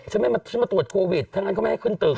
ฉันมาตรวจโควิดถ้างั้นเขาไม่ให้ขึ้นตึก